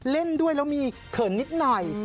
เล่นด้วยแล้วมีเขินนิดหน่อย